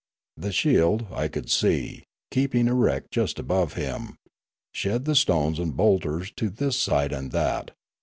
The shield, I could see, keeping erect just above him, shed the stones and boulders to this side and that.